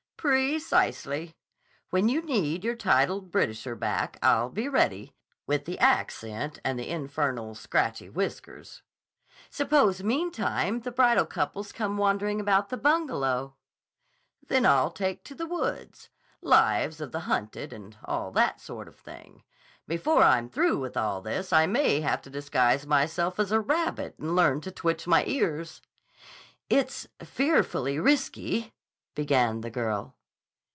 "Precisely. When you need your titled Britisher back, I'll be ready, with the accent and the infernal, scratchy whiskers." "Suppose, meantime, the bridal couples come wandering about the Bungalow?" "Then I'll take to the woods. Lives of the hunted and all that sort of thing. Before I'm through with all this I may have to disguise myself as a rabbit and learn to twitch my ears." "It's fearfully risky—" began the girl.